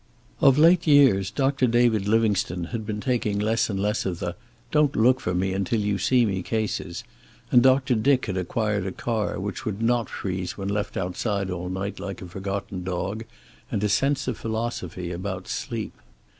Of late years, Doctor David Livingstone had been taking less and less of the "Don't look for me until you see me" cases, and Doctor Dick had acquired a car, which would not freeze when left outside all night like a forgotten dog, and a sense of philosophy about sleep.